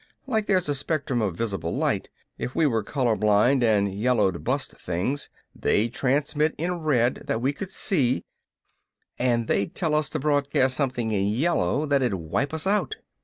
Like there's a spectrum of visible light. If we were color blind and yellow'd bust things, they'd transmit in red that we could see, and they'd tell us to broadcast something in yellow that'd wipe us out.